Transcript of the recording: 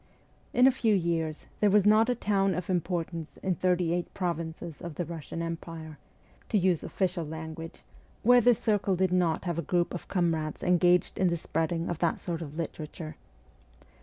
In a few years there was not a town of importance in ' thirty eight provinces of the Russian Empire,' to use official language, where this circle did not have a group of comrades engaged in the spreading of that sort of literature.